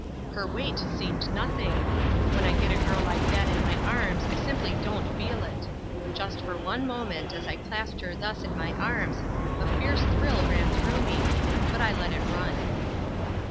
Her weight seemed nothing. When I get a girl like that in my arms I simply don't feel it. Just for one moment as I clasped her thus in my arms, a fierce thrill ran through me. But I let it run.